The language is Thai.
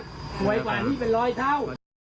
สวยกว่านี้เป็นร้อยเท่า